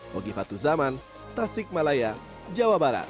mogifat tuzaman tasik malaya jawa barat